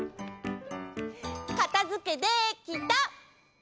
かたづけできた！